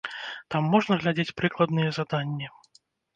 Там можна глядзець прыкладныя заданні.